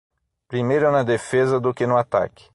Primeiro na defesa do que no ataque.